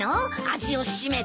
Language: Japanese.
味を占めて。